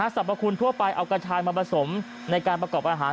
สรรพคุณทั่วไปเอากระชายมาผสมในการประกอบอาหาร